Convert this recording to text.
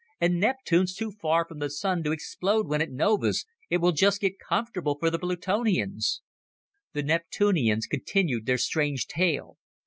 And Neptune's too far from the Sun to explode when it novas, it will just get comfortable for the Plutonians!" The Neptunians continued their strange tale.